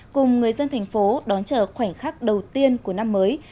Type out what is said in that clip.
cùng người dân thành phố đón chờ khoảnh khắc đầu tiên của năm mới